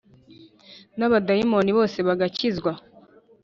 N abadayimoni bose bagakizwa